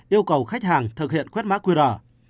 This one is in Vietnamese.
yêu cầu khách hàng thực hiện khuét má quy rở